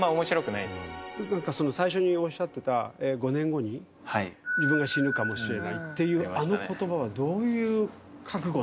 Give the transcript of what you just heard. なんか最初におっしゃってた「５年後に自分が死ぬかもしれない」っていうあの言葉はどういう覚悟なんですか？